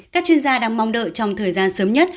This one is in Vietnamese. các chuyên gia đang mong đợi trong thời gian sớm nhất